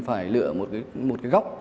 phải lựa một cái góc